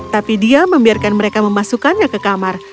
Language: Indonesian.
tapi dia membiarkan mereka memasukkannya ke kamar